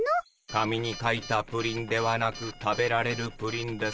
「紙に書いたプリンではなく食べられるプリン」ですね？